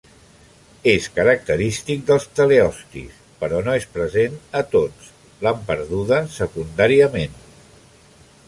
És característic dels teleostis, però no és present a tots: l'han perduda secundàriament.